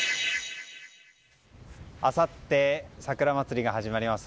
あさってさくらまつりが始まります